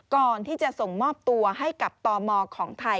ก่อนที่จะส่งมอบตัวให้กับตมของไทย